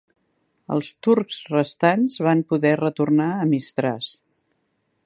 Els turcs restants van poder retornar a Mistràs.